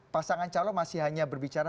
pasangan calon masih hanya berbicara